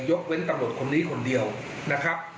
ยกเว้นตำรวจคนนี้คนเดียวนะครับ